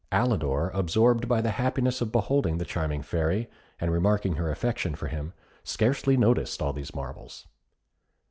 Alidor, absorbed by the happiness of beholding the charming Fairy, and remarking her affection for him, scarcely noticed all these marvels.